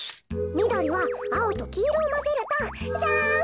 みどりはあおときいろをまぜるとジャン。